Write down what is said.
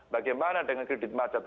bagaimana dengan kredit macet